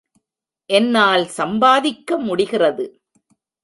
என்னால் சம்பாதிக்க முடிகிறது.